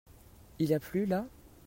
Il a plu là ?